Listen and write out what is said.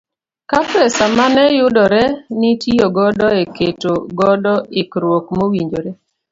Ka pesa mane yudore nitiyo godo e keto godo ikruok mowinjore.